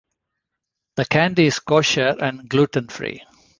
The candy is kosher and gluten-free.